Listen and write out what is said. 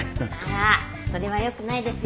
あっそれはよくないですね。